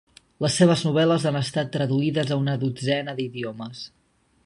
Les seves novel·les han estat traduïdes a una dotzena d'idiomes.